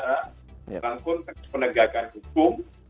dalam konteks penegakan hukum